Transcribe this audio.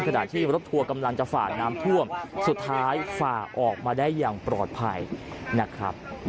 ขณะที่รถทัวร์กำลังจะฝ่าน้ำท่วมสุดท้ายฝ่าออกมาได้อย่างปลอดภัยนะครับ